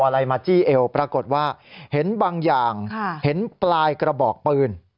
อะไรมาจี้เอวปรากฏว่าเห็นบางอย่างเห็นปลายกระบอกปืน